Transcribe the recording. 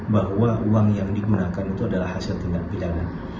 bahwa uang yang digunakan itu adalah hasil tindak pidana